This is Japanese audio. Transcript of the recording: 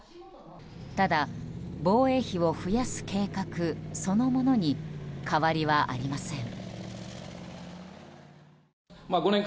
ただ、防衛費を増やす計画そのものに変わりはありません。